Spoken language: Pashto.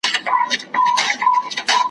چي حکیم کړه ورنيژدې سږمو ته سوټه ,